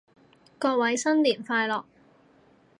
各位新年快樂